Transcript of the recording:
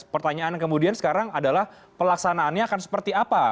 pertanyaan kemudian sekarang adalah pelaksanaannya akan seperti apa